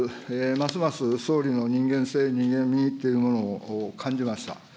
ますます総理の人間性、人間味というものを感じました。